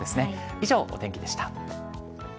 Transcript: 以上、お天気でした。